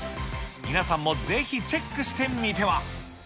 皆さんもぜひ、チェックしてみて